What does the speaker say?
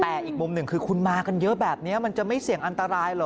แต่อีกมุมหนึ่งคือคุณมากันเยอะแบบนี้มันจะไม่เสี่ยงอันตรายเหรอ